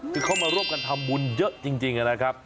คือเขามาร่วมกันทำบุญเยอะจริงนะครับ